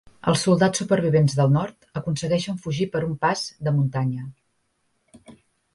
Els soldats supervivents del nord aconsegueixen fugir per un pas de muntanya.